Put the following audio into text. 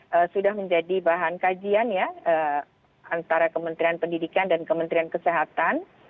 ini sudah menjadi bahan kajian ya antara kementerian pendidikan dan kementerian kesehatan